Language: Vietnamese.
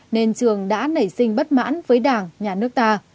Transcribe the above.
nên trường đã nảy sinh bất mãn với đảng nhà nước ta